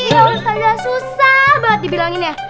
ya ustazah susah banget dibilanginnya